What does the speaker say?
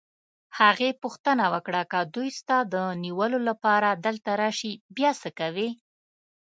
هغې پوښتنه وکړه: که دوی ستا د نیولو لپاره دلته راشي، بیا څه کوې؟